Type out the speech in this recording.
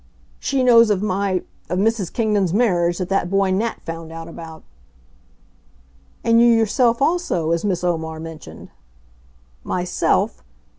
"She knows of my of Mrs. Kingdon's marriage, that that boy Nat found out about." "And you yourself also, as Miss Omar mentioned." "Myself?